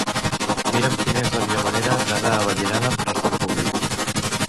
Mira'm quina és la millor manera d'anar a Vallirana amb trasport públic.